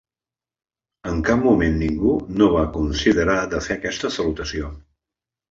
En cap moment ningú no va considerar de fer aquesta salutació.